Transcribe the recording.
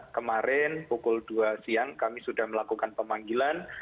kemarin pukul dua siang kami sudah melakukan pemanggilan